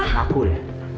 dan aku ya